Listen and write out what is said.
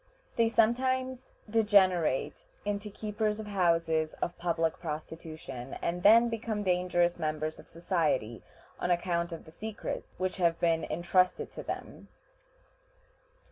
They sometimes degenerate into keepers of houses of public prostitution, and then become dangerous members of society, on account of the secrets which have been intrusted to them.